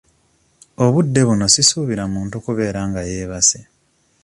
Obudde buno sisuubira muntu kubeera nga yeebase.